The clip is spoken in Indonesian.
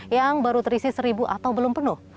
yang baru terisi seribu atau belum penuh